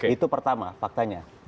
itu pertama faktanya